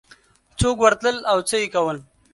څوک ورتلل او څه یې کول